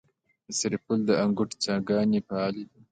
د سرپل د انګوت څاګانې فعالې دي؟